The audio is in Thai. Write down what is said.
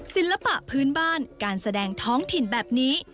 ศิลปะพื้นบ้านการแสดงท้องถิ่นแบบนี้